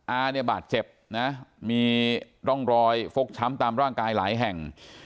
อาเนี่ยบาดเจ็บนะมีร่องรอยฟกช้ำตามร่างกายหลายแห่ง